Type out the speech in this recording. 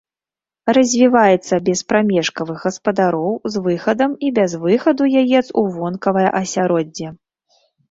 Развіваецца без прамежкавых гаспадароў з выхадам і без выхаду яец у вонкавае асяроддзе.